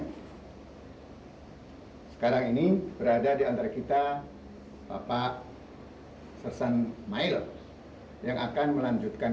hai sekarang ini berada di antara kita bapak sersan mail yang akan melanjutkan